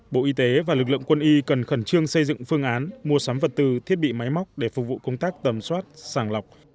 bộ y tế và lực lượng quân y cần khẩn trương xây dựng phương án mua sắm vật tư thiết bị máy móc để phục vụ công tác tầm soát sàng lọc